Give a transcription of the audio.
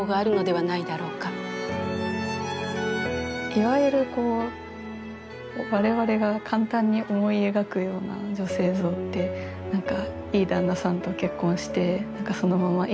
いわゆるこう我々が簡単に思い描くような女性像っていい旦那さんと結婚してそのままいい生活に突入して。